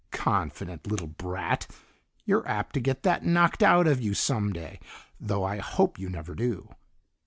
"Confident little brat! You're apt to get that knocked out of you some day, though I hope you never do."